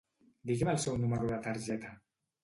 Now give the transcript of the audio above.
Digui'm el seu número de targeta.